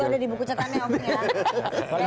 itu ada di buku catannya opung ya